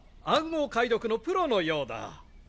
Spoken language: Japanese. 暗号解読のプロのようだ。